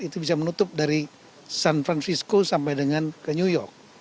itu bisa menutup dari san francisco sampai dengan ke new york